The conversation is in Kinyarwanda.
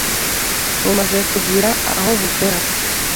bumaze kugira aho bugera